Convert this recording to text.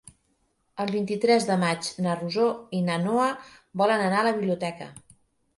El vint-i-tres de maig na Rosó i na Noa volen anar a la biblioteca.